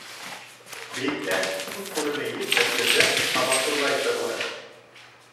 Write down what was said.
Бейектә - күҙ күреме етмәҫ ерҙә - һабантурғай сырлай.